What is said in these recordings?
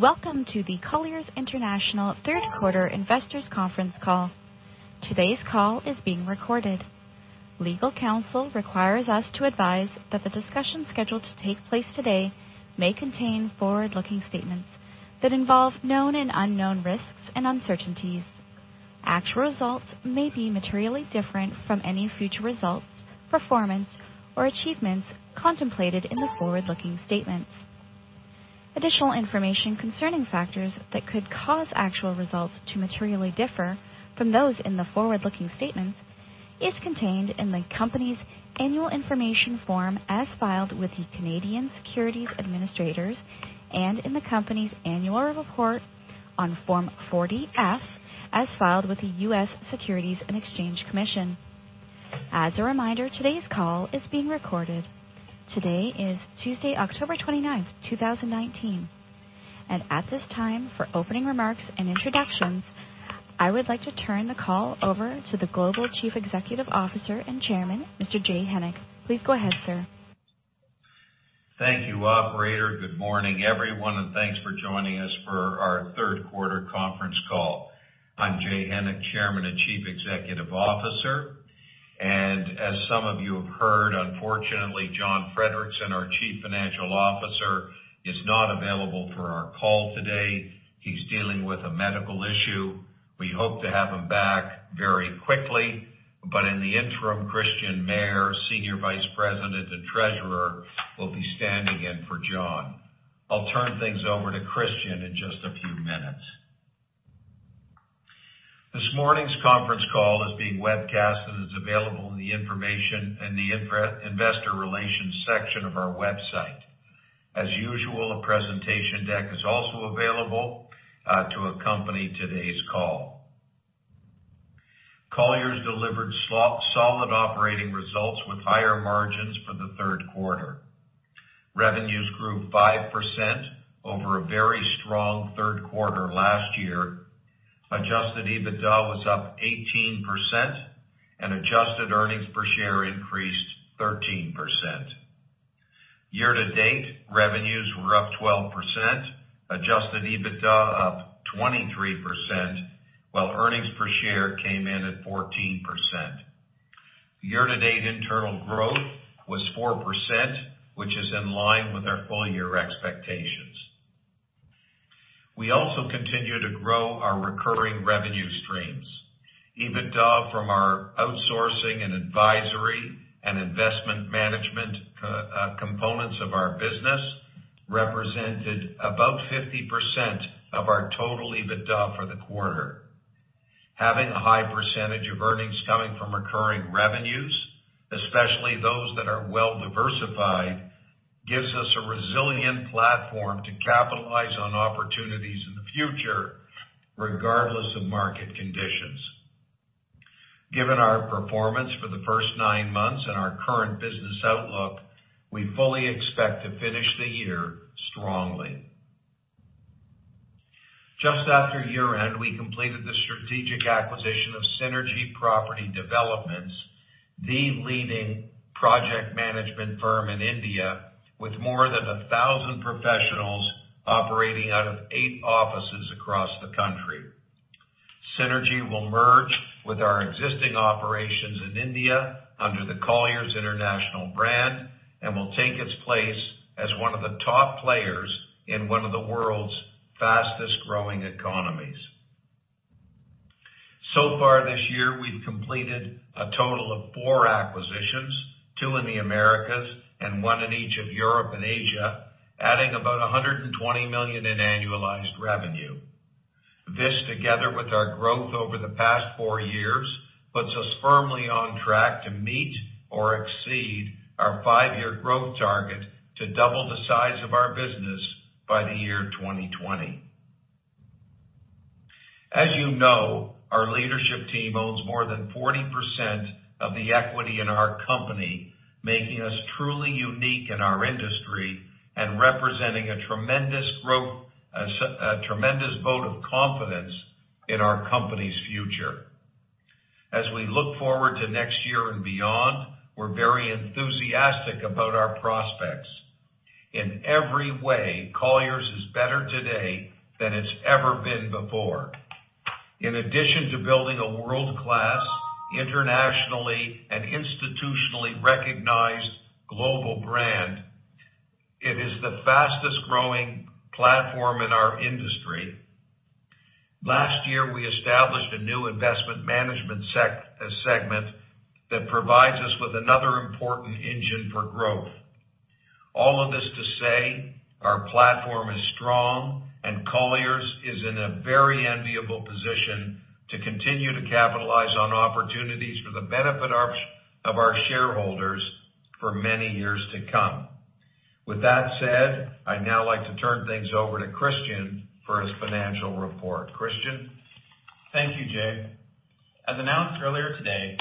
Welcome to the Colliers International third quarter investors conference call. Today's call is being recorded. Legal counsel requires us to advise that the discussion scheduled to take place today may contain forward-looking statements that involve known and unknown risks and uncertainties. Actual results may be materially different from any future results, performance, or achievements contemplated in the forward-looking statements. Additional information concerning factors that could cause actual results to materially differ from those in the forward-looking statements is contained in the company's annual information form, as filed with the Canadian Securities Administrators and in the company's annual report on Form 40-F, as filed with the U.S. Securities and Exchange Commission. As a reminder, today's call is being recorded. At this time, for opening remarks and introductions, I would like to turn the call over to the Global Chief Executive Officer and Chairman, Mr. Jay Hennick. Please go ahead, sir. Thank you, operator. Good morning, everyone, and thanks for joining us for our third quarter conference call. I'm Jay Hennick, Chairman and Chief Executive Officer, and as some of you have heard, unfortunately, John Friedrichsen, our Chief Financial Officer, is not available for our call today. He's dealing with a medical issue. We hope to have him back very quickly, but in the interim, Christian Mayer, Senior Vice President and Treasurer, will be standing in for John. I'll turn things over to Christian in just a few minutes. This morning's conference call is being webcast and is available in the Investor Relations section of our website. As usual, a presentation deck is also available to accompany today's call. Colliers delivered solid operating results with higher margins for the third quarter. Revenues grew 5% over a very strong third quarter last year. Adjusted EBITDA was up 18%, adjusted earnings per share increased 13%. Year-to-date, revenues were up 12%, adjusted EBITDA up 23%, while earnings per share came in at 14%. Year-to-date internal growth was 4%, which is in line with our full-year expectations. We also continue to grow our recurring revenue streams. EBITDA from our outsourcing and advisory and investment management components of our business represented about 50% of our total EBITDA for the quarter. Having a high percentage of earnings coming from recurring revenues, especially those that are well-diversified, gives us a resilient platform to capitalize on opportunities in the future, regardless of market conditions. Given our performance for the first nine months and our current business outlook, we fully expect to finish the year strongly. Just after year-end, we completed the strategic acquisition of Synergy Property Development Services, the leading project management firm in India, with more than 1,000 professionals operating out of eight offices across the country. Synergy will merge with our existing operations in India under the Colliers International brand and will take its place as one of the top players in one of the world's fastest-growing economies. So far this year, we've completed a total of four acquisitions, two in the Americas and one in each of Europe and Asia, adding about $120 million in annualized revenue. This, together with our growth over the past four years, puts us firmly on track to meet or exceed our five-year growth target to double the size of our business by the year 2020. As you know, our leadership team owns more than 40% of the equity in our company, making us truly unique in our industry and representing a tremendous vote of confidence in our company's future. As we look forward to next year and beyond, we're very enthusiastic about our prospects. In every way, Colliers is better today than it's ever been before. In addition to building a world-class, internationally, and institutionally recognized global brand, it is the fastest-growing platform in our industry. Last year, we established a new investment management segment that provides us with another important engine for growth. All of this to say, our platform is strong, and Colliers is in a very enviable position to continue to capitalize on opportunities for the benefit of our shareholders for many years to come. With that said, I'd now like to turn things over to Christian Mayer for his financial report. Christian Mayer? Thank you, Jay. As announced earlier today,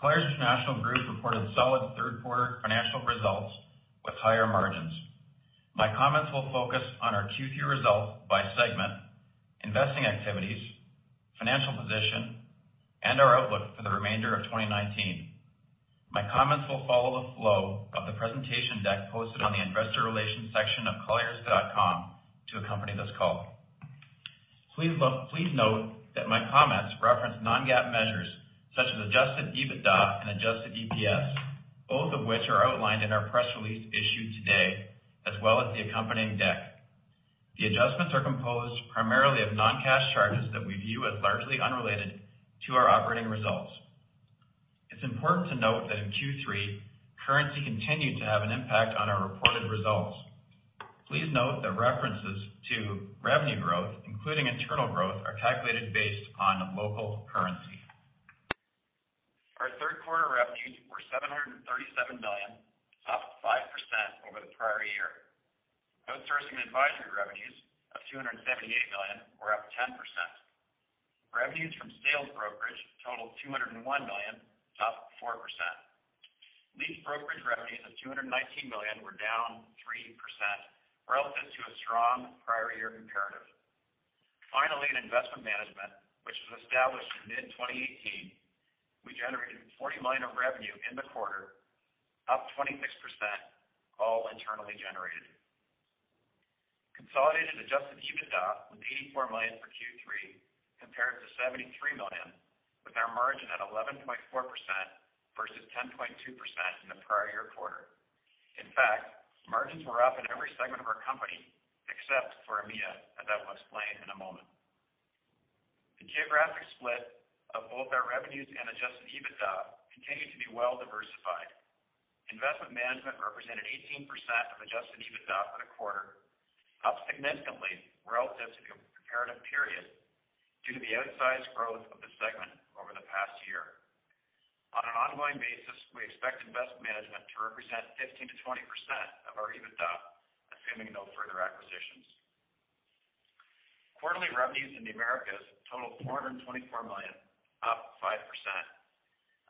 Colliers International Group reported solid third-quarter financial results with higher margins. My comments will focus on our Q2 results by segment. Investing activities, financial position, and our outlook for the remainder of 2019. My comments will follow the flow of the presentation deck posted on the investor relations section of colliers.com to accompany this call. Please note that my comments reference non-GAAP measures, such as adjusted EBITDA and adjusted EPS, both of which are outlined in our press release issued today, as well as the accompanying deck. The adjustments are composed primarily of non-cash charges that we view as largely unrelated to our operating results. It's important to note that in Q3, currency continued to have an impact on our reported results. Please note that references to revenue growth, including internal growth, are calculated based on local currency. Our third quarter revenues were $737 million, up 5% over the prior year. Outsourcing advisory revenues of $278 million were up 10%. Revenues from sales brokerage totaled $201 million, up 4%. Lease brokerage revenues of $219 million were down 3% relative to a strong prior year comparative. Finally, in investment management, which was established in mid-2018, we generated $40 million of revenue in the quarter, up 26%, all internally generated. Consolidated adjusted EBITDA was $84 million for Q3, compared to $73 million, with our margin at 11.4% versus 10.2% in the prior year quarter. In fact, margins were up in every segment of our company except for EMEA, as I will explain in a moment. The geographic split of both our revenues and adjusted EBITDA continue to be well-diversified. Investment management represented 18% of adjusted EBITDA for the quarter, up significantly relative to comparative period due to the outsized growth of the segment over the past year. On an ongoing basis, we expect investment management to represent 15%-20% of our EBITDA, assuming no further acquisitions. Quarterly revenues in the Americas totaled $424 million, up 5%.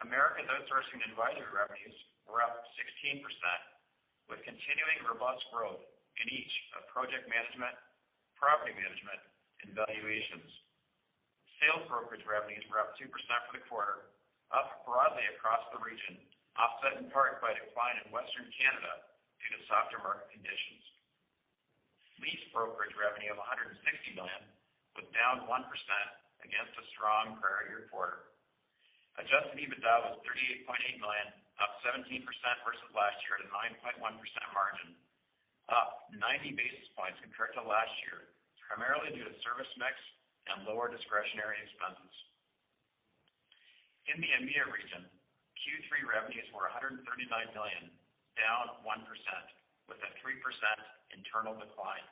Americas outsourcing advisory revenues were up 16%, with continuing robust growth in each of project management, property management, and valuations. Sales brokerage revenues were up 2% for the quarter, up broadly across the region, offset in part by a decline in Western Canada due to softer market conditions. Lease brokerage revenue of $160 million was down 1% against a strong prior year quarter. Adjusted EBITDA was $38.8 million, up 17% versus last year at a 9.1% margin, up 90 basis points compared to last year, primarily due to service mix and lower discretionary expenses. In the EMEA region, Q3 revenues were $139 million, down 1%, with a 3% internal decline.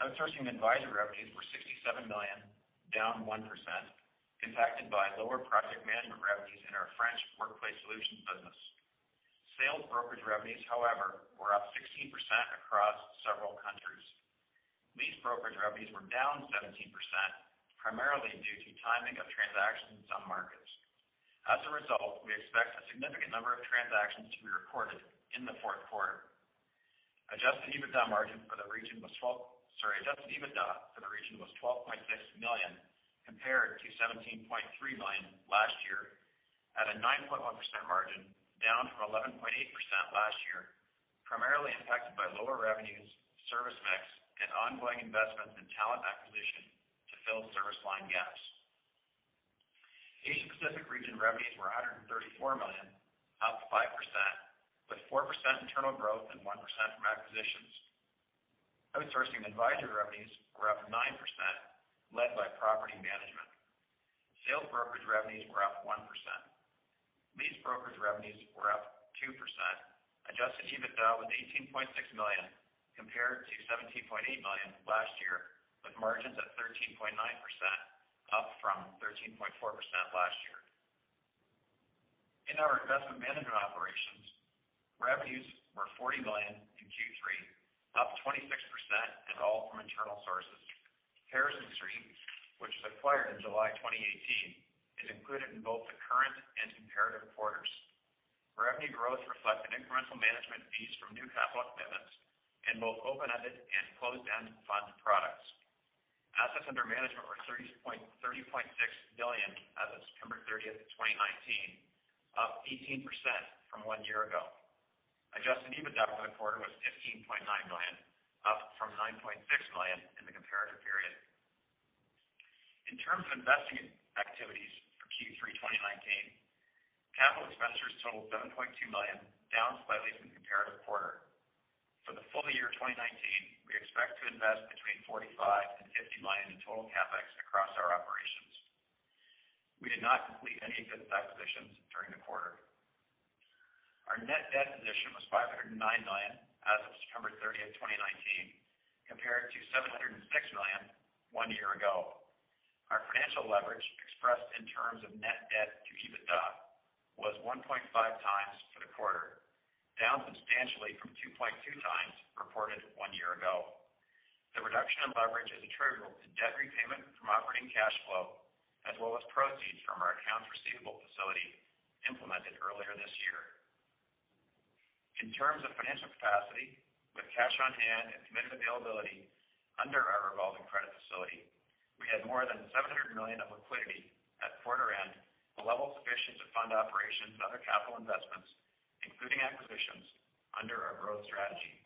Outsourcing advisory revenues were $67 million, down 1%, impacted by lower project management revenues in our French workplace solutions business. Sales brokerage revenues, however, were up 16% across several countries. Lease brokerage revenues were down 17%, primarily due to timing of transactions in some markets. As a result, we expect a significant number of transactions to be recorded in the fourth quarter. Adjusted EBITDA for the region was $12.6 million, compared to $17.3 million last year at a 9.1% margin, down from 11.8% last year, primarily impacted by lower revenues, service mix, and ongoing investments in talent acquisition to fill service line gaps. Asia Pacific region revenues were $134 million, up 5%, with 4% internal growth and 1% from acquisitions. Outsourcing advisory revenues were up 9%, led by property management. Sales brokerage revenues were up 1%. Lease brokerage revenues were up 2%. Adjusted EBITDA was $18.6 million compared to $17.8 million last year, with margins at 13.9%, up from 13.4% last year. In our investment management operations, revenues were $40 million in Q3, up 26% and all from internal sources. Harrison Street, which was acquired in July 2018, is included in both the current and comparative quarters. Revenue growth reflected incremental management fees from new capital commitments in both open-ended and closed-end fund products. Assets under management were $30.6 billion as of September 30th, 2019, up 18% from one year ago. Adjusted EBITDA for the quarter was $15.9 million, up from $9.6 million in the comparative period. In terms of investing activities for Q3 2019, capital expenditures totaled $7.2 million, down slightly from the comparative quarter. For the full year 2019, we expect to invest between $45 million and $50 million in total CapEx across our operations. We did not complete any business acquisitions during the quarter. Our net debt position was $509 million as of September 30th, 2019, compared to $706 million one year ago. Our financial leverage expressed in terms of net debt to EBITDA was 1.5 times for the quarter, down substantially from 2.2 times reported one year ago. The reduction in leverage is attributable to debt repayment from operating cash flow as well as proceeds from our accounts receivable facility implemented earlier this year. In terms of financial capacity, with cash on hand and committed availability under our revolving credit facility, we had more than $700 million of liquidity at quarter end, a level sufficient to fund operations and other capital investments, including acquisitions under our growth strategy.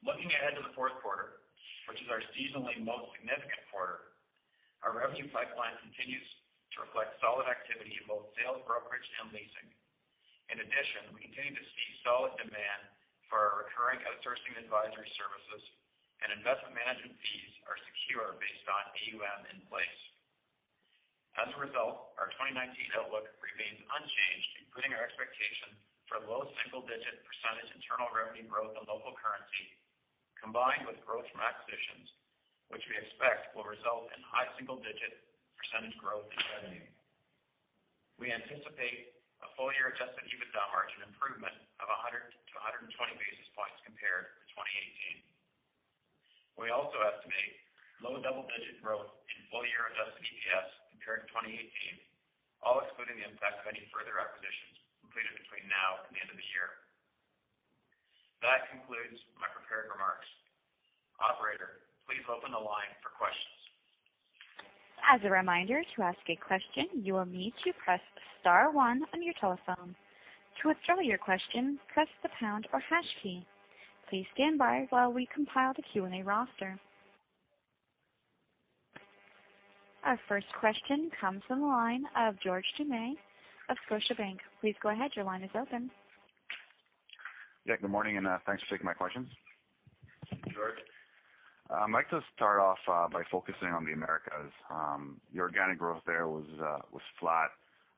Looking ahead to the fourth quarter, which is our seasonally most significant quarter, our revenue pipeline continues to reflect solid activity in both sales brokerage and leasing. We continue to see solid demand for our recurring outsourcing advisory services and investment management fees are secure based on AUM in place. As a result, our 2019 outlook remains unchanged, including our expectation for low single-digit % internal revenue growth in local currency, combined with growth from acquisitions, which we expect will result in high single-digit % growth in revenue. We anticipate a full-year adjusted EBITDA margin improvement of 100 to 120 basis points compared to 2018. We also estimate low double-digit growth in full-year adjusted EPS compared to 2018, all excluding the impact of any further acquisitions completed between now and the end of the year. That concludes my prepared remarks. Operator, please open the line for questions. As a reminder, to ask a question, you will need to press star one on your telephone. To withdraw your question, press the pound or hash key. Please stand by while we compile the Q&A roster. Our first question comes from the line of George Doumet of Scotiabank. Please go ahead. Your line is open. Yeah. Good morning. Thanks for taking my questions. George. I'd like to start off by focusing on the Americas. Your organic growth there was flat.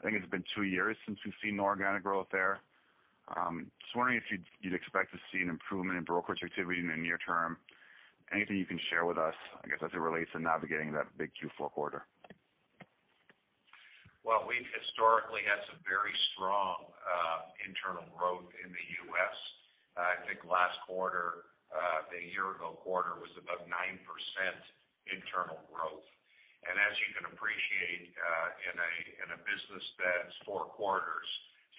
I think it's been two years since we've seen organic growth there. Just wondering if you'd expect to see an improvement in brokerage activity in the near term. Anything you can share with us, I guess, as it relates to navigating that big Q4 quarter? Well, we've historically had some very strong internal growth in the U.S. I think last quarter, the year-ago quarter was about 9% internal growth. As you can appreciate, in a business that's 4 quarters,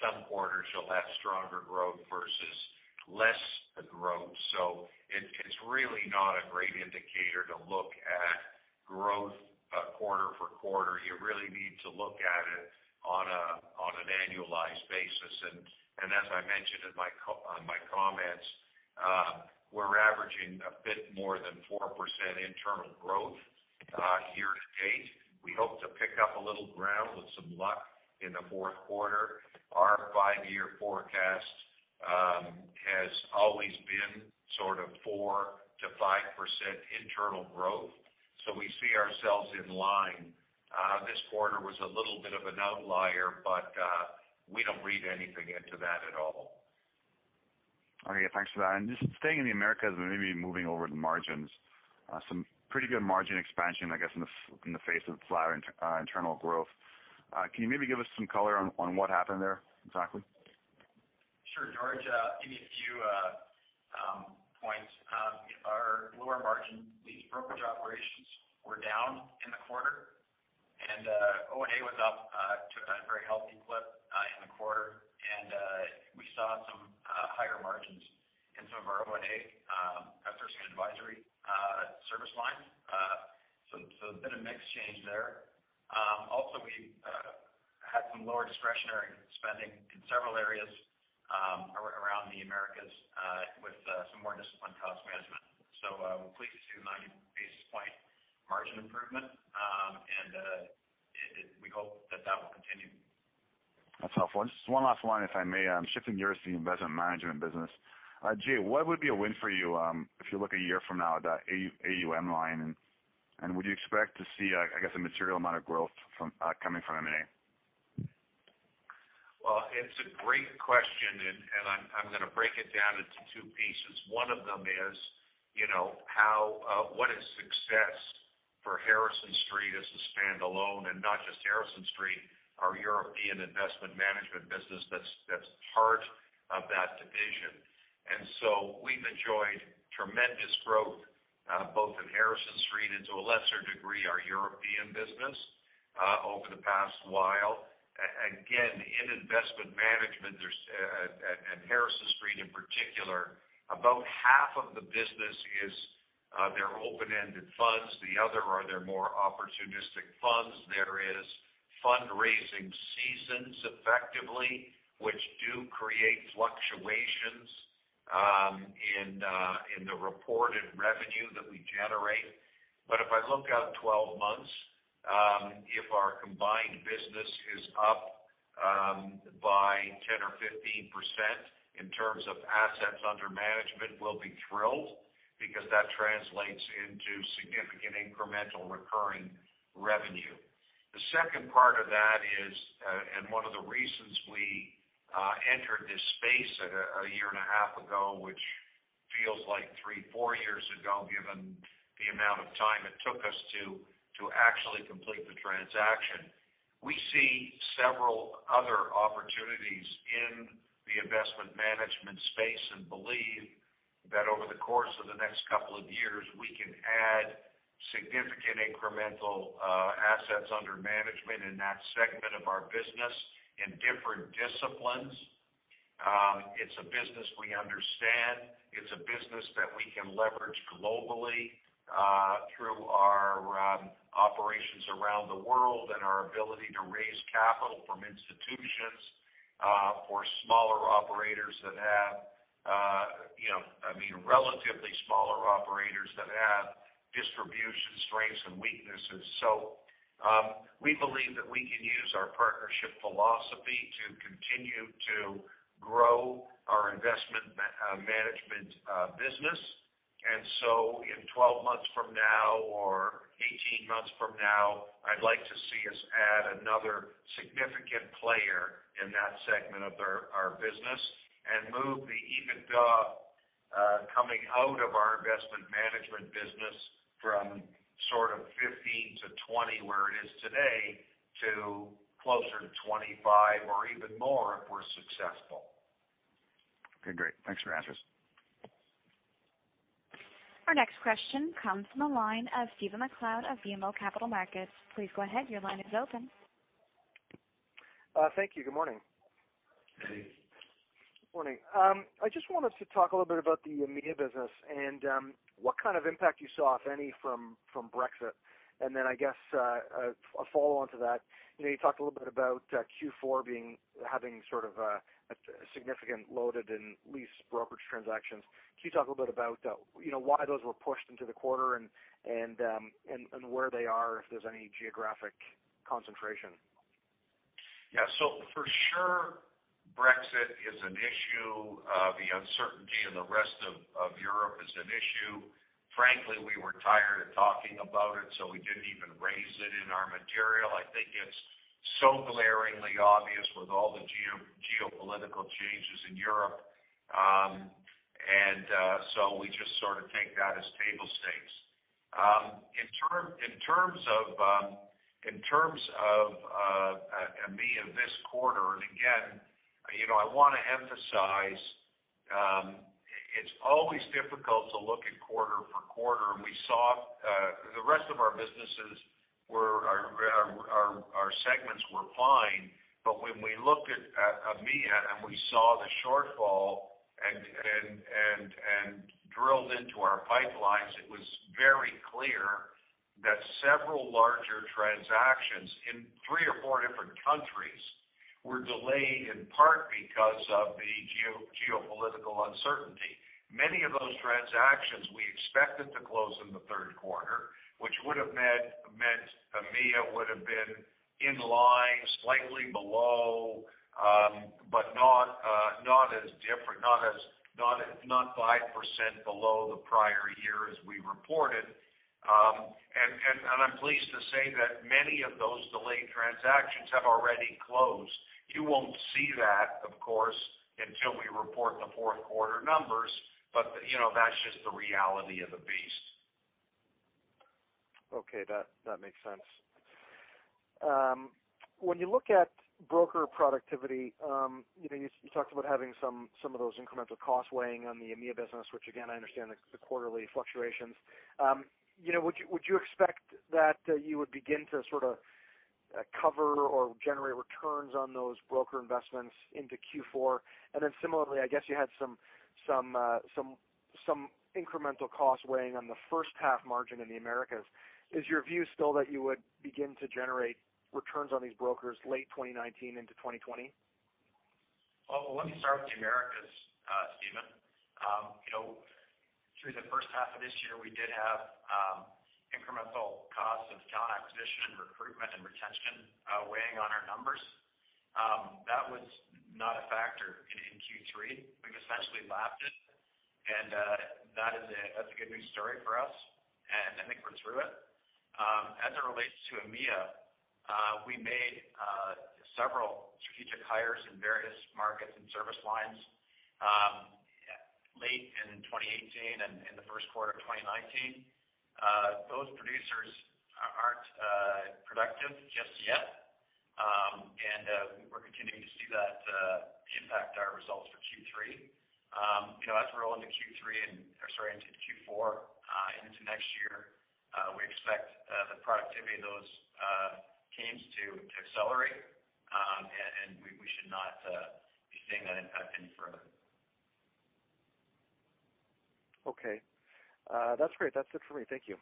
some quarters you'll have stronger growth versus less growth. It's really not a great indicator to look at growth quarter for quarter. You really need to look at it on an annualized basis. As I mentioned on my comments, we're averaging a bit more than 4% internal growth year to date. We hope to pick up a little ground with some luck in the fourth quarter. Our 5-year forecast has always been sort of 4%-5% internal growth. We see ourselves in line. This quarter was a little bit of an outlier, but we don't read anything into that at all. Okay, thanks for that. Just staying in the Americas and maybe moving over to margins. Some pretty good margin expansion, I guess, in the face of flatter internal growth. Can you maybe give us some color on what happened there exactly? Sure, George. Maybe a few points. Our lower margin, these brokerage operations, were down in the quarter. O&A took a very healthy clip in the quarter. We saw some higher margins in some of our O&A, outsourcing advisory service lines. A bit of mix change there. Also, we had some lower discretionary spending in several areas around the Americas with some more disciplined cost management. We're pleased to see the 90 basis point margin improvement, and we hope that that will continue. That's helpful. Just one last one, if I may. Shifting gears to the investment management business. Jay, what would be a win for you if you look a year from now at that AUM line, and would you expect to see, I guess, a material amount of growth coming from M&A? Well, it's a great question, I'm going to break it down into two pieces. One of them is, what is success for Harrison Street as a standalone, and not just Harrison Street, our European investment management business that's part of that division. We've enjoyed tremendous growth both in Harrison Street and to a lesser degree, our European business, over the past while. Again, in investment management, at Harrison Street in particular, about half of the business is their open-ended funds. The other are their more opportunistic funds. There is fundraising seasons effectively, which do create fluctuations in the reported revenue that we generate. If I look out 12 months, if our combined business is up by 10% or 15% in terms of assets under management, we'll be thrilled because that translates into significant incremental recurring revenue. The second part of that is, and one of the reasons we entered this space a year and a half ago, which feels like three, four years ago, given the amount of time it took us to actually complete the transaction. We see several other opportunities in the investment management. The course of the next couple of years, we can add significant incremental assets under management in that segment of our business in different disciplines. It's a business we understand. It's a business that we can leverage globally, through our operations around the world and our ability to raise capital from institutions for smaller operators, I mean, relatively smaller operators that have distribution strengths and weaknesses. We believe that we can use our partnership philosophy to continue to grow our investment management business. In 12 months from now or 18 months from now, I'd like to see us add another significant player in that segment of our business, and move the EBITDA coming out of our investment management business from sort of 15-20, where it is today, to closer to 25 or even more if we're successful. Okay, great. Thanks for the answers. Our next question comes from the line of Stephen MacLeod of BMO Capital Markets. Please go ahead, your line is open. Thank you. Good morning. Good morning. Morning. I just wanted to talk a little bit about the EMEA business and what kind of impact you saw, if any, from Brexit. I guess, a follow-on to that, you talked a little bit about Q4 having sort of a significant loaded in lease brokerage transactions. Can you talk a little bit about why those were pushed into the quarter and where they are, if there's any geographic concentration? Yeah. For sure, Brexit is an issue. The uncertainty in the rest of Europe is an issue. Frankly, we were tired of talking about it, so we didn't even raise it in our material. I think it's so glaringly obvious with all the geopolitical changes in Europe. We just sort of take that as table stakes. In terms of EMEA this quarter, and again, I want to emphasize, it's always difficult to look at quarter for quarter. We saw the rest of our businesses, our segments were fine. When we looked at EMEA and we saw the shortfall and drilled into our pipelines, it was very clear that several larger transactions in three or four different countries were delayed, in part because of the geopolitical uncertainty. Many of those transactions we expected to close in the third quarter, which would've meant EMEA would've been in line, slightly below. Not as different, not 5% below the prior year as we reported. I'm pleased to say that many of those delayed transactions have already closed. You won't see that, of course, until we report the fourth quarter numbers. That's just the reality of the beast. Okay. That makes sense. When you look at broker productivity, you talked about having some of those incremental costs weighing on the EMEA business, which again, I understand the quarterly fluctuations. Would you expect that you would begin to sort of cover or generate returns on those broker investments into Q4? Similarly, I guess you had some incremental costs weighing on the first half margin in the Americas. Is your view still that you would begin to generate returns on these brokers late 2019 into 2020? Well, let me start with the Americas, Stephen. Through the first half of this year, we did have incremental costs of talent acquisition, recruitment, and retention weighing on our numbers. That was not a factor in Q3. We've essentially lapped it, and that's a good news story for us, and I think we're through it. As it relates to EMEA, we made several strategic hires in various markets and service lines late in 2018 and in the first quarter of 2019. Those producers aren't productive just yet. We're continuing to see that impact our results for Q3. As we're rolling to Q3 sorry, into Q4 into next year, we expect the productivity of those teams to accelerate, and we should not be seeing that impact any further. Okay. That's great. That's it for me. Thank you.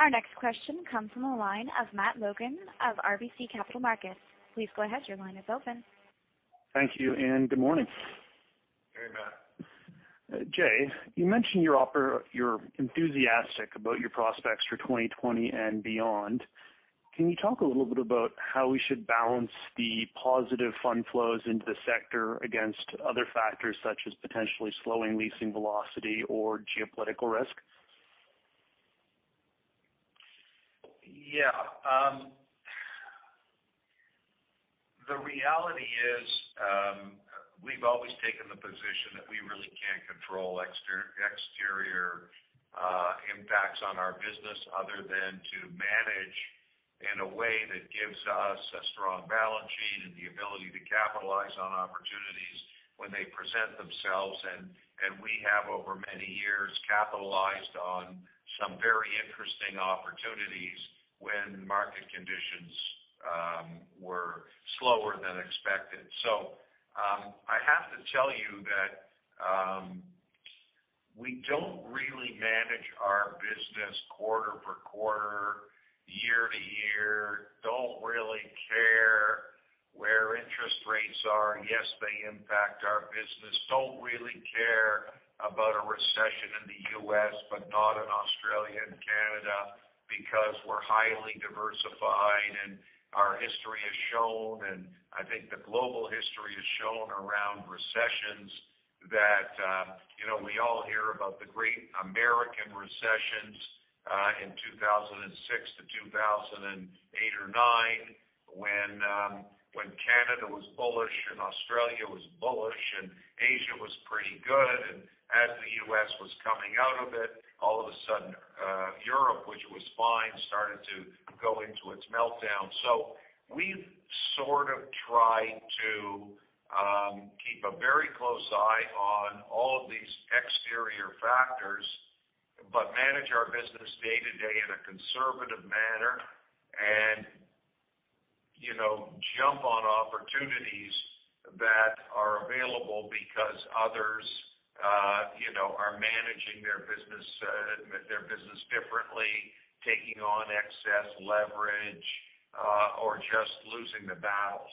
Our next question comes from the line of Matthew Logan of RBC Capital Markets. Please go ahead. Your line is open. Thank you, and good morning. Hey, Matt. Jay, you mentioned you're enthusiastic about your prospects for 2020 and beyond. Can you talk a little bit about how we should balance the positive fund flows into the sector against other factors, such as potentially slowing leasing velocity or geopolitical risk? The reality is, we've always taken the position that we really can't control exterior impacts on our business other than to manage in a way that gives us a strong balance sheet and the ability to capitalize on opportunities when they present themselves. We have, over many years, capitalized on some very interesting opportunities when market conditions were slower than expected. I have to tell you that we don't really manage our business quarter for quarter, year to year, don't really care where interest rates are. Yes, they impact our business. Don't really care about a recession in the U.S. Not in Australia and Canada, because we're highly diversified and our history has shown, and I think the global history has shown around recessions that we all hear about the great American recessions in 2006-2008 or 2009, when Canada was bullish and Australia was bullish, and Asia was pretty good. As the U.S. was coming out of it, all of a sudden Europe, which was fine, started to go into its meltdown. We've sort of tried to keep a very close eye on all of these exterior factors, but manage our business day-to-day in a conservative manner and jump on opportunities that are available because others are managing their business differently, taking on excess leverage, or just losing the battle.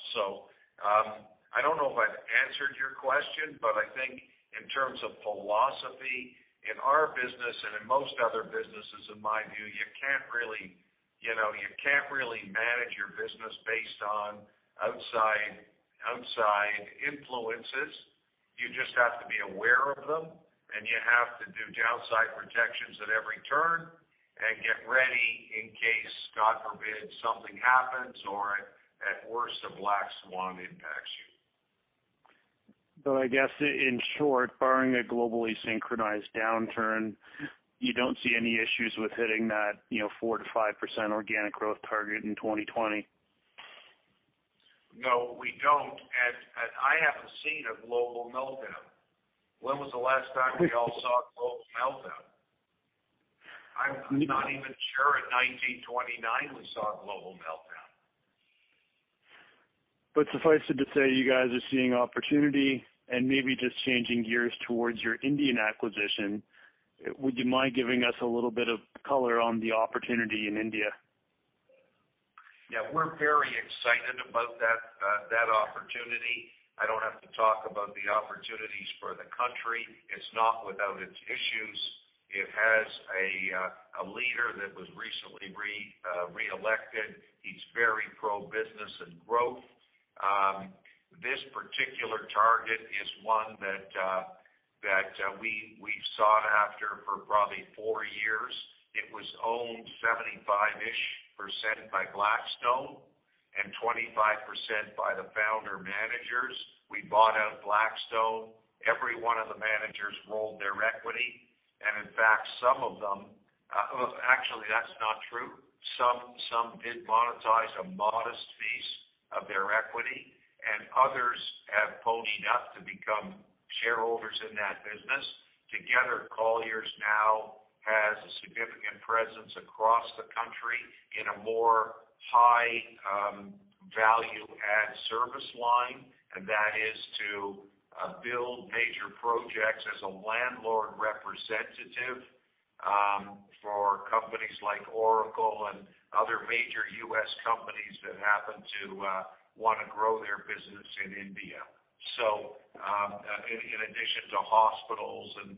I don't know if I've answered your question, but I think in terms of philosophy, in our business and in most other businesses, in my view, you can't really manage your business based on outside influences. You just have to be aware of them, and you have to do downside protections at every turn and get ready in case, God forbid, something happens, or at worst, a black swan impacts you. I guess in short, barring a globally synchronized downturn, you don't see any issues with hitting that 4% to 5% organic growth target in 2020. No, we don't, and I haven't seen a global meltdown. When was the last time we all saw a global meltdown? I'm not even sure in 1929 we saw a global meltdown. Suffice it to say, you guys are seeing opportunity and maybe just changing gears towards your Indian acquisition. Would you mind giving us a little bit of color on the opportunity in India? Yeah, we're very excited about that opportunity. I don't have to talk about the opportunities for the country. It's not without its issues. It has a leader that was recently re-elected. He's very pro-business and growth. This particular target is one that we've sought after for probably four years. It was owned 75-ish% by Blackstone and 25% by the founder managers. We bought out Blackstone. Every one of the managers rolled their equity, actually, that's not true. Some did monetize a modest piece of their equity, and others have ponied up to become shareholders in that business. Together, Colliers now has a significant presence across the country in a more high value add service line, and that is to build major projects as a landlord representative for companies like Oracle and other major U.S. companies that happen to want to grow their business in India. In addition to hospitals and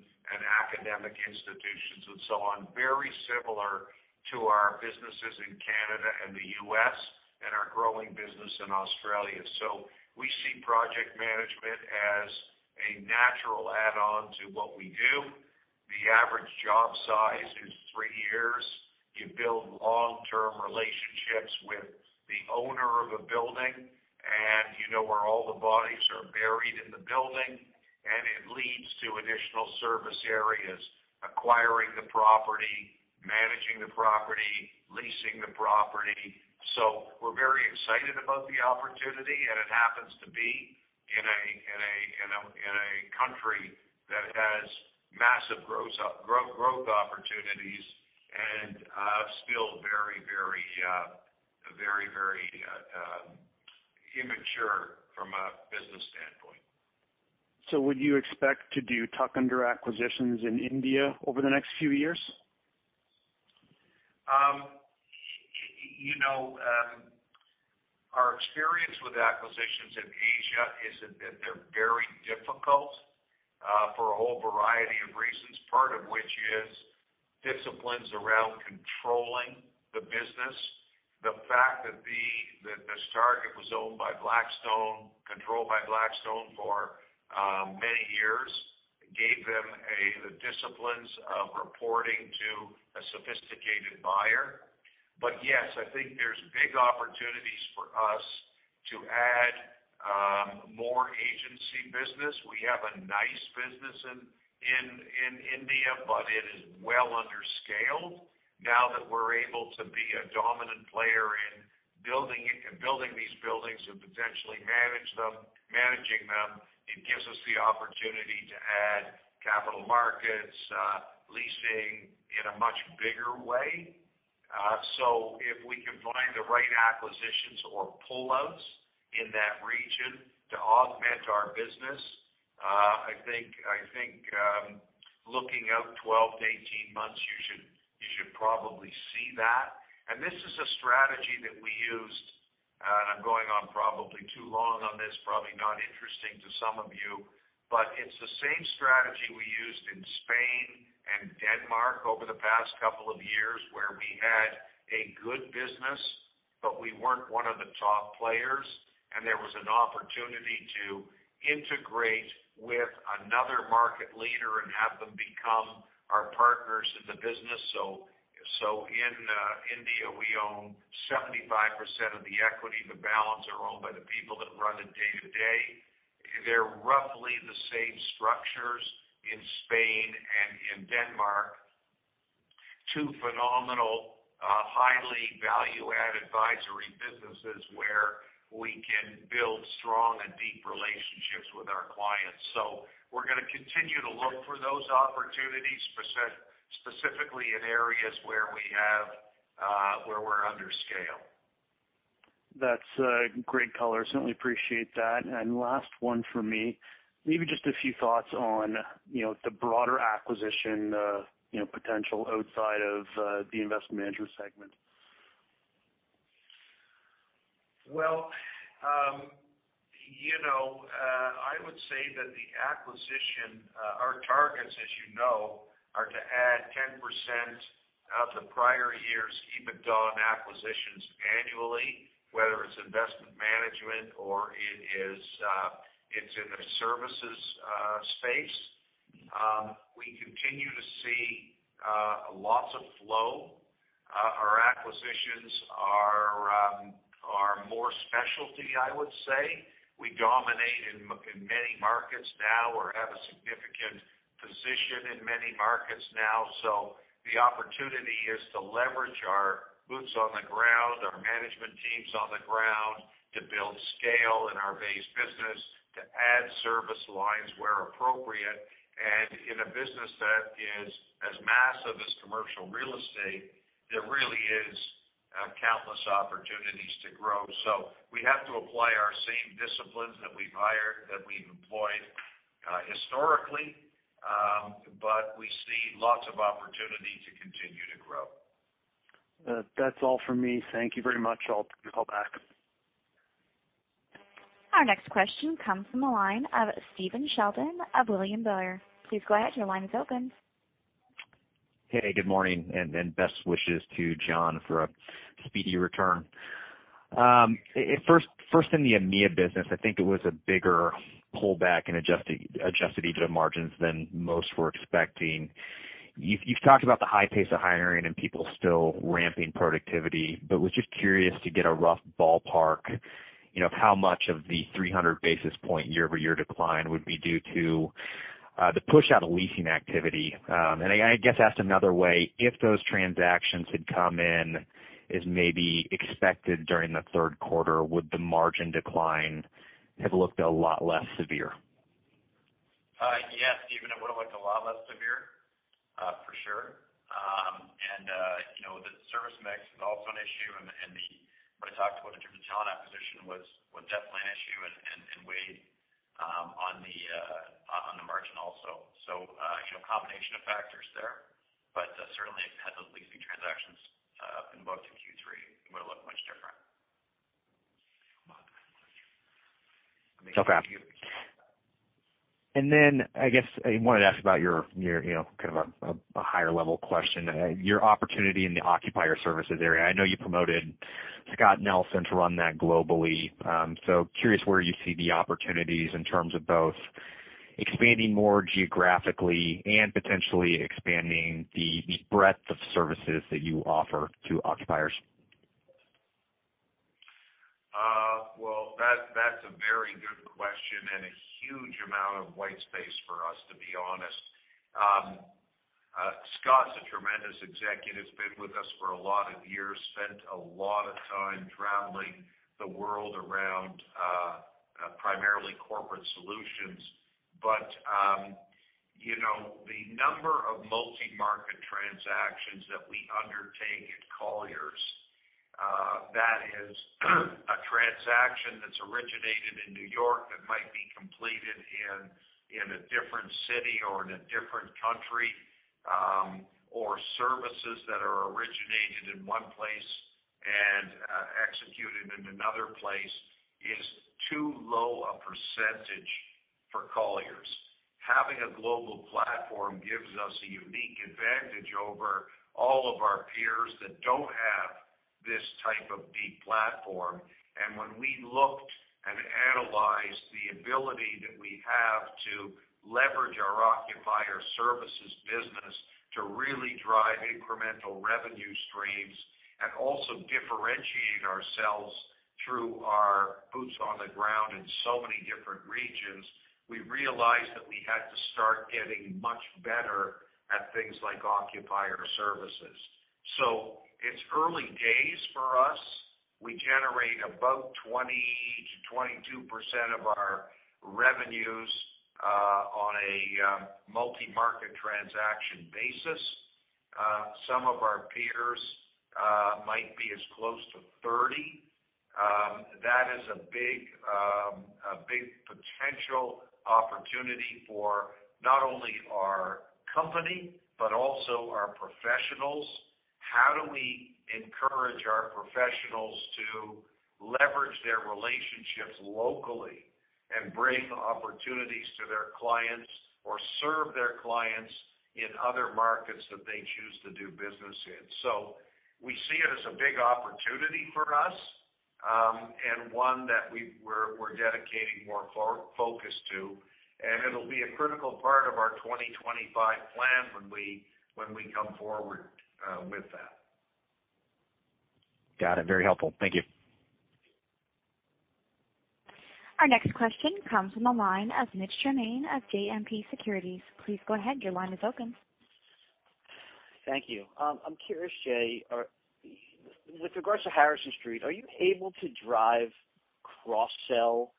academic institutions and so on, very similar to our businesses in Canada and the U.S. and our growing business in Australia. We see project management as a natural add-on to what we do. The average job size is three years. You build long-term relationships with the owner of a building, and you know where all the bodies are buried in the building, and it leads to additional service areas, acquiring the property, managing the property, leasing the property. We're very excited about the opportunity, and it happens to be in a country that has massive growth opportunities and still very immature from a business standpoint. Would you expect to do tuck-under acquisitions in India over the next few years? Our experience with acquisitions in Asia is that they're very difficult for a whole variety of reasons, part of which is disciplines around controlling the business. The fact that this target was owned by Blackstone, controlled by Blackstone for many years, gave them the disciplines of reporting to a sophisticated buyer. Yes, I think there's big opportunities for us to add more agency business. We have a nice business in India, but it is well under scale. Now that we're able to be a dominant player in building these buildings and potentially managing them, it gives us the opportunity to add capital markets, leasing in a much bigger way. If we can find the right acquisitions or pullouts in that region to augment our business, I think looking out 12 to 18 months, you should probably see that. This is a strategy that we used, and I'm going on probably too long on this, probably not interesting to some of you, but it's the same strategy we used in Spain and Denmark over the past couple of years, where we had a good business, but we weren't one of the top players, and there was an opportunity to integrate with another market leader and have them become our partners in the business. In India, we own 75% of the equity. The balance are owned by the people that run it day to day. They're roughly the same structures in Spain and in Denmark. Two phenomenal, highly value-added advisory businesses where we can build strong and deep relationships with our clients. We're going to continue to look for those opportunities, specifically in areas where we're under scale. That's great color. Certainly appreciate that. Last one from me, maybe just a few thoughts on the broader acquisition potential outside of the investment management segment. Well, I would say that our targets, as you know, are to add 10% of the prior year's EBITDA and acquisitions annually, whether it's investment management or it's in the services space. We continue to see lots of flow. Our acquisitions are more specialty, I would say. We dominate in many markets now or have a significant position in many markets now. The opportunity is to leverage our boots on the ground, our management teams on the ground to build scale in our base business, to add service lines where appropriate. In a business that is as massive as commercial real estate, there really is countless opportunities to grow. We have to apply our same disciplines that we've employed historically, we see lots of opportunity to continue to grow. That's all for me. Thank you very much. I'll call back. Our next question comes from the line of Stephen Sheldon of William Blair. Please go ahead, your line is open. Good morning, best wishes to John for a speedy return. In the EMEA business, I think it was a bigger pullback and adjusted EBITDA margins than most were expecting. You've talked about the high pace of hiring and people still ramping productivity, but was just curious to get a rough ballpark, how much of the 300 basis point year-over-year decline would be due to the push out of leasing activity. I guess asked another way, if those transactions had come in as maybe expected during the third quarter, would the margin decline have looked a lot less severe? Yes, Stephen, it would've looked a lot less severe, for sure. The service mix is also an issue and what I talked about in terms of talent acquisition was definitely an issue and weighed on the margin also. A combination of factors there, but certainly had those leasing transactions been moved to Q3, it would've looked much different. Okay. I guess I wanted to ask about your kind of a higher level question. Your opportunity in the Occupier Services area. I know you promoted Scott Nelson to run that globally. Curious where you see the opportunities in terms of both expanding more geographically and potentially expanding the breadth of services that you offer to occupiers. Well, that's a very good question and a huge amount of white space for us, to be honest. Scott's a tremendous executive, has been with us for a lot of years, spent a lot of time traveling the world around primarily corporate solutions. The number of multi-market transactions that we undertake at Colliers that is a transaction that's originated in New York that might be completed in a different city or in a different country, or services that are originated in one place and executed in another place is too low a percentage for Colliers. Having a global platform gives us a unique advantage over all of our peers that don't have this type of deep platform. When we looked and analyzed the ability that we have to leverage our Occupier Services business to really drive incremental revenue streams and also differentiate ourselves through our boots on the ground in so many different regions, we realized that we had to start getting much better at things like Occupier Services. It's early days for us. We generate about 20%-22% of our revenues on a multi-market transaction basis. Some of our peers might be as close to 30%. That is a big potential opportunity for not only our company but also our professionals. How do we encourage our professionals to leverage their relationships locally and bring opportunities to their clients or serve their clients in other markets that they choose to do business in? We see it as a big opportunity for us, and one that we're dedicating more focus to, and it'll be a critical part of our 2025 plan when we come forward with that. Got it. Very helpful. Thank you. Our next question comes from the line of Mitch Germain of JMP Securities. Please go ahead. Your line is open. Thank you. I'm curious, Jay, with regards to Harrison Street, are you able to drive cross-sell,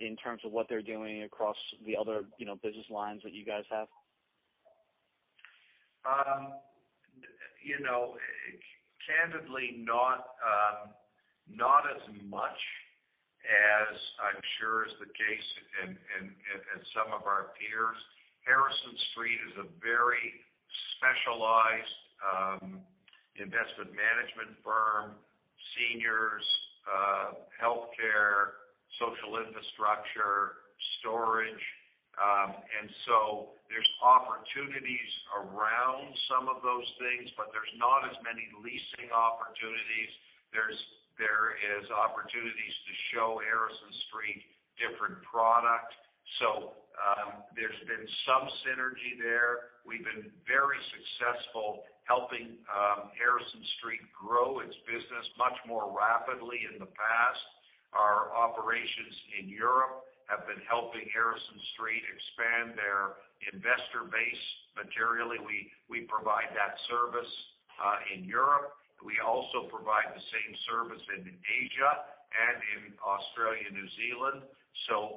in terms of what they're doing across the other business lines that you guys have? Candidly, not as much as I'm sure is the case in some of our peers. Harrison Street is a very specialized investment management firm, seniors, healthcare, social infrastructure, storage. There's opportunities around some of those things, but there's not as many leasing opportunities. There is opportunities to show Harrison Street different product. There's been some synergy there. We've been very successful helping Harrison Street grow its business much more rapidly in the past. Our operations in Europe have been helping Harrison Street expand their investor base materially. We provide that service in Europe. We also provide the same service in Asia and in Australia, New Zealand.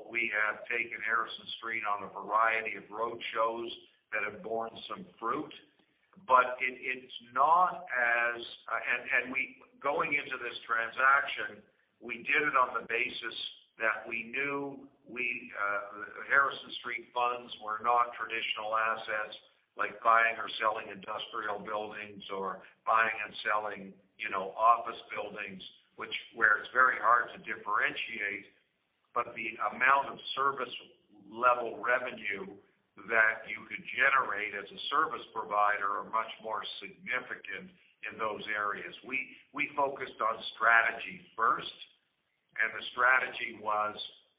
We have taken Harrison Street on a variety of road shows that have borne some fruit. Going into this transaction, we did it on the basis that we knew Harrison Street funds were not traditional assets like buying or selling industrial buildings or buying and selling office buildings, where it's very hard to differentiate. The amount of service level revenue that you could generate as a service provider are much more significant in those areas. We focused on strategy first, and the strategy was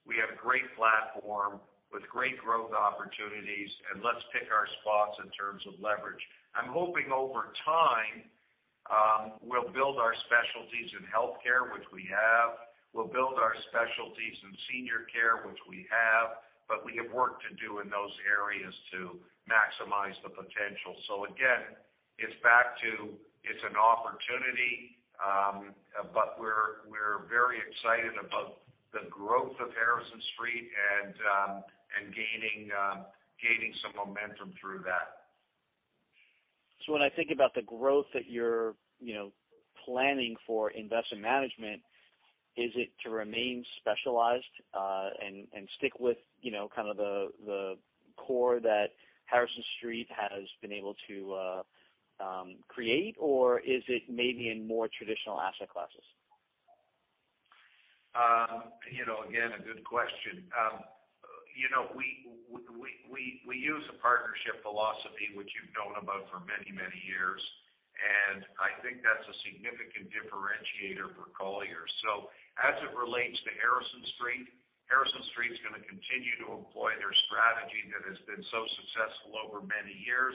we have a great platform with great growth opportunities, and let's pick our spots in terms of leverage. I'm hoping over time, we'll build our specialties in healthcare, which we have. We'll build our specialties in senior care, which we have, but we have work to do in those areas to maximize the potential. Again, it's back to, it's an opportunity, but we're very excited about the growth of Harrison Street and gaining some momentum through that. When I think about the growth that you're planning for investment management, is it to remain specialized, and stick with kind of the core that Harrison Street has been able to create, or is it maybe in more traditional asset classes? Again, a good question. We use a partnership philosophy, which you've known about for many years, and I think that's a significant differentiator for Colliers. As it relates to Harrison Street, Harrison Street's going to continue to employ their strategy that has been so successful over many years.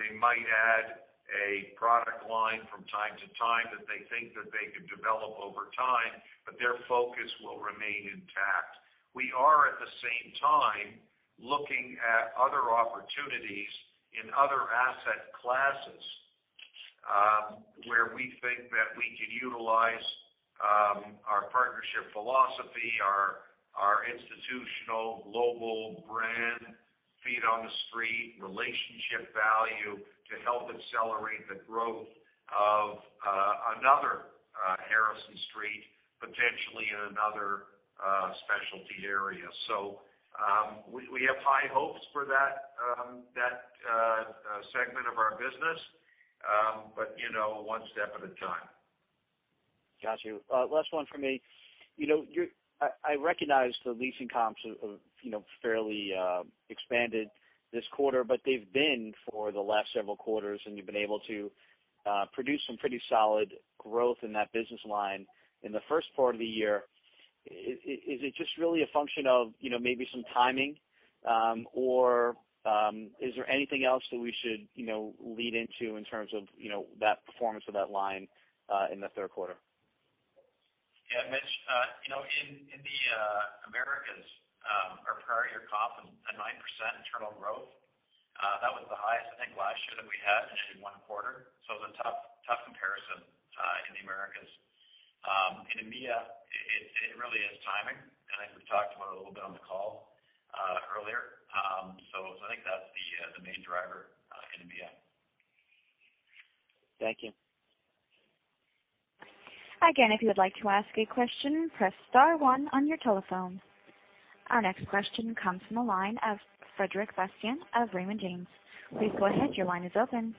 They might add a product line from time to time that they think that they could develop over time, but their focus will remain intact. We are, at the same time, looking at other opportunities in other asset classes, where we think that we can utilize our partnership philosophy, our institutional global brand, feet on the street, relationship value to help accelerate the growth of another Harrison Street, potentially in another specialty area. We have high hopes for that segment of our business. One step at a time. Got you. Last one from me. I recognize the leasing comps have fairly expanded this quarter, but they've been for the last several quarters, and you've been able to produce some pretty solid growth in that business line in the first part of the year. Is it just really a function of maybe some timing? Is there anything else that we should lead into in terms of that performance of that line in the third quarter? Yeah, Mitch, in the Americas, our prior year comp had 9% internal growth. That was the highest, I think, last year that we had in actually one quarter. It was a tough comparison in the Americas. In EMEA, it really is timing, and I think we've talked about it a little bit on the call earlier. I think that's the main driver in EMEA. Thank you. Again, if you would like to ask a question, press *1 on your telephone. Our next question comes from the line of Frederic Bastien of Raymond James. Please go ahead. Your line is open.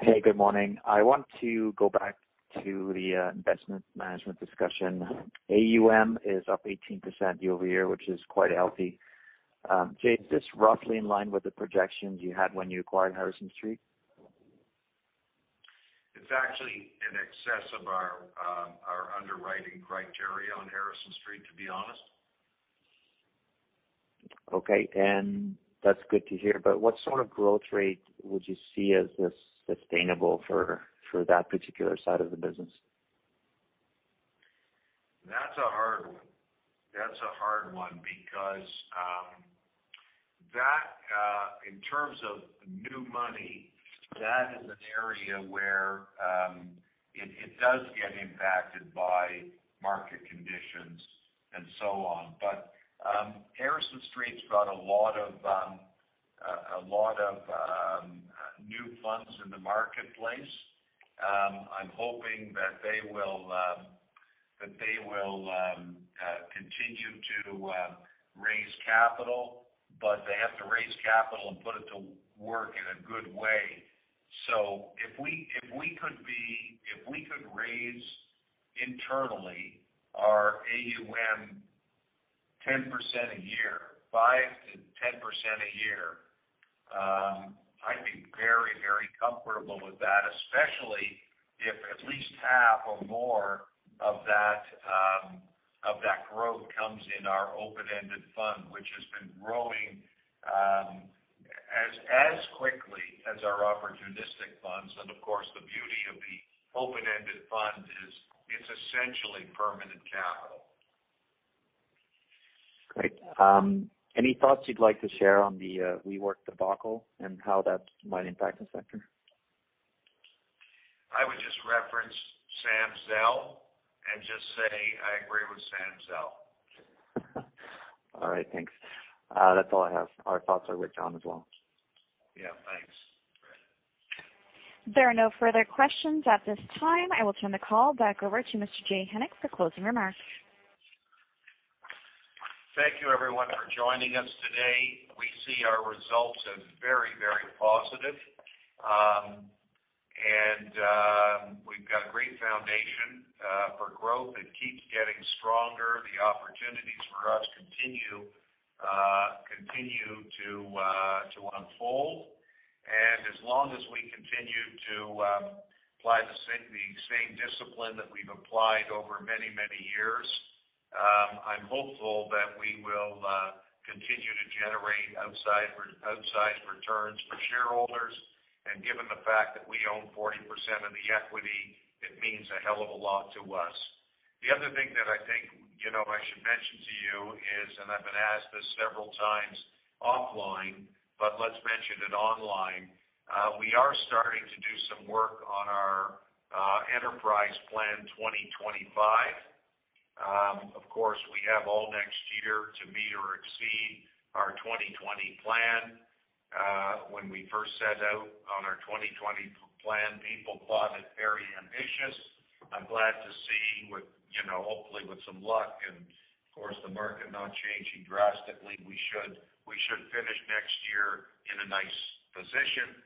Hey, good morning. I want to go back to the investment management discussion. AUM is up 18% year-over-year, which is quite healthy. Jay, is this roughly in line with the projections you had when you acquired Harrison Street? It's actually in excess of our underwriting criteria on Harrison Street, to be honest. Okay. That's good to hear, but what sort of growth rate would you see as sustainable for that particular side of the business? That's a hard one. That's a hard one because in terms of new money, that is an area where it does get impacted by market conditions and so on. Harrison Street's got a lot of new funds in the marketplace. I'm hoping that they will continue to raise capital, but they have to raise capital and put it to work in a good way. If we could raise internally our AUM 10% a year, 5%-10% a year, I'd be very comfortable with that, especially if at least half or more of that growth comes in our open-ended fund, which has been growing as quickly as our opportunistic funds. Of course, the beauty of the open-ended fund is it's essentially permanent capital. Great. Any thoughts you'd like to share on the WeWork debacle and how that might impact the sector? I would just reference Sam Zell and just say I agree with Sam Zell. All right. Thanks. That's all I have. Our thoughts are with John as well. Yeah, thanks, Fred. There are no further questions at this time. I will turn the call back over to Mr. Jay Hennick for closing remarks. Thank you, everyone, for joining us today. We see our results as very positive. We've got a great foundation for growth. It keeps getting stronger. The opportunities for us continue to unfold. As long as we continue to apply the same discipline that we've applied over many years, I'm hopeful that we will continue to generate outsized returns for shareholders. Given the fact that we own 40% of the equity, it means a hell of a lot to us. The other thing that I think I should mention to you is, and I've been asked this several times offline, but let's mention it online. We are starting to do some work on our Enterprise Plan 2025. Of course, we have all next year to meet or exceed our 2020 Plan. When we first set out on our 2020 Plan, people thought it very ambitious. I'm glad to see, hopefully with some luck, and of course, the market not changing drastically, we should finish next year in a nice position.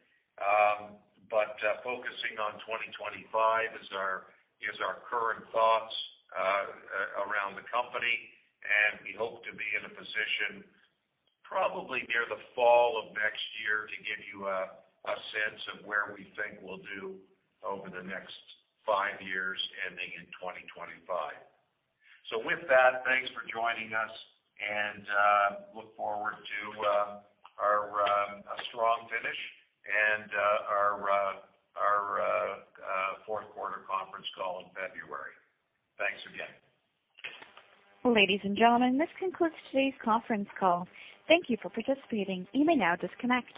Focusing on 2025 is our current thoughts around the company, and we hope to be in a position probably near the fall of next year to give you a sense of where we think we'll do over the next five years ending in 2025. With that, thanks for joining us, and look forward to a strong finish and our fourth-quarter conference call in February. Thanks again. Ladies and gentlemen, this concludes today's conference call. Thank you for participating. You may now disconnect.